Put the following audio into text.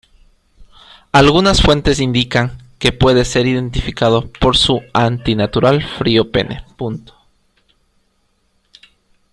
Algunas fuentes indican que puede ser identificado por su antinatural frío pene.